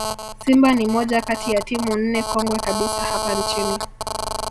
Simba ni moja kati ya timu nne kongwe kabisa hapa nchini